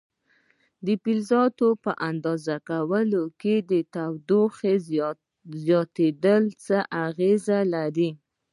د فلزاتو په اندازه کولو کې د تودوخې زیاتېدل څه اغېزه لري؟